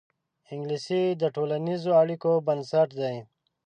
انګلیسي د ټولنیزو اړیکو بنسټ دی